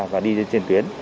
và đi trên tuyến